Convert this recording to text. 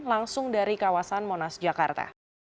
langsung dari kawasan monas jakarta